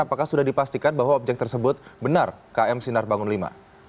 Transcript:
apakah sudah dipastikan bahwa objek tersebut benar km sinar bangun v